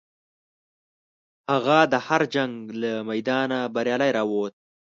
هغه د هر جنګ له میدانه بریالی راووت.